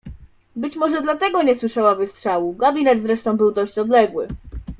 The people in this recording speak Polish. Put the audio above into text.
"Być może dlatego nie słyszała wystrzału, gabinet był zresztą dość odległy."